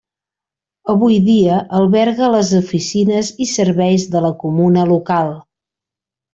Avui dia alberga les oficines i serveis de la comuna local.